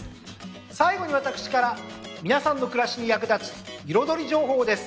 最後に私から皆さんの暮らしに役立つ彩り情報です。